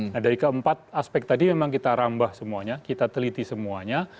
nah dari keempat aspek tadi memang kita rambah semuanya kita teliti semuanya